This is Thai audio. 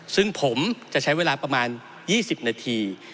ซึ่งผมจะใช้เวลาประมาณ๒๐นาที